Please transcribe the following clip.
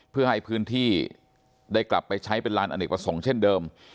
เพื่อให้พื้นที่ได้กลับไปใช้เป็นลานอเนกประสงค์เช่นเดิม